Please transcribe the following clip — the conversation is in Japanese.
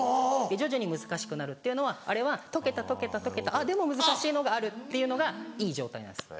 で徐々に難しくなるっていうのはあれは解けた解けた解けたでも難しいのがあるっていうのがいい状態なんです